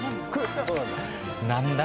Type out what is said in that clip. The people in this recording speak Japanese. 何だ？